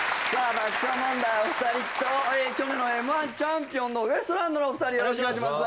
爆笑問題お二人と去年のＭ−１チャンピオンのウエストランドのお二人よろしくお願いします